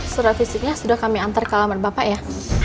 surat fisiknya sudah kami antar ke alaman bapak ya